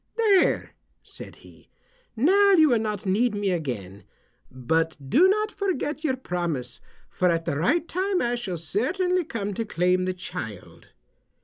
"There," said he, "now you will not need me again. But do not forget your promise, for at the right time I shall certainly come to claim the child."